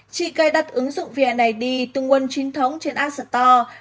chỉ cài đặt ứng dụng vnid từ nguồn chính thống trên app store